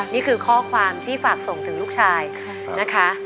นี่คือข้อความที่ฝากส่งถึงลูกชายนะคะ